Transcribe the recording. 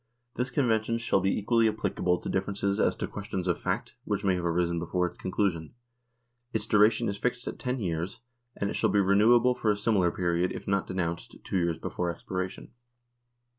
This convention shall be equally applicable to differences as to questions of fact which may have arisen before its conclusion. Its duration is fixed at ten years, and it shall be renewable for a similar period if not denounced two years before expiration.